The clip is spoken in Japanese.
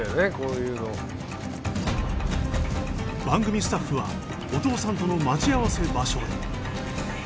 番組スタッフはお父さんとの待ち合わせ場所へ。